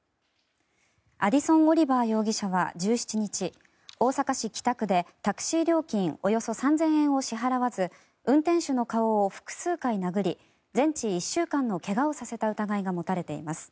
アディソン・オリバー容疑者は１７日大阪市北区でタクシー料金およそ３０００円を支払わず運転手の顔を複数回殴り全治１週間の怪我をさせた疑いが持たれています。